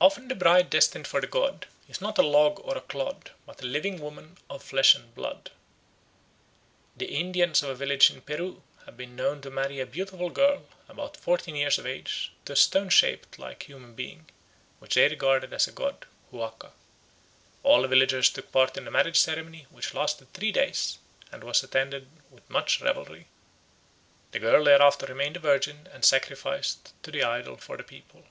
Often the bride destined for the god is not a log or a cloud, but a living woman of flesh and blood. The Indians of a village in Peru have been known to marry a beautiful girl, about fourteen years of age, to a stone shaped like a human being, which they regarded as a god (huaca). All the villagers took part in the marriage ceremony, which lasted three days, and was attended with much revelry. The girl thereafter remained a virgin and sacrificed to the idol for the people.